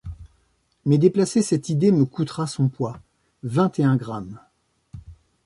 Mais déplacer cette idée me coûtera son poids : vingt et un grammes.